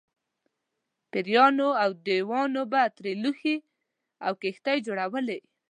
پېریانو او دیوانو به ترې لوښي او کښتۍ جوړولې.